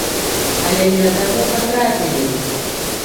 Але не на таго патрапілі!